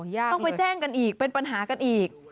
ต้องไปแจ้งกันอีกเป็นปัญหากันอีก